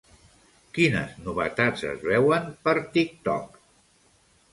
Quines novetats es veuen per TikTok?